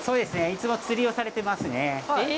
いつも釣りをされてますね。